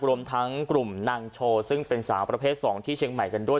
รวมทั้งกลุ่มนางโชว์ซึ่งเป็นสาวประเภท๒ที่เชียงใหม่กันด้วย